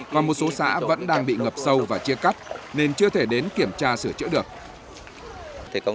và một số xã vẫn đang bị ngập sâu và chia cắt nên chưa thể đến kiểm tra sửa chữa được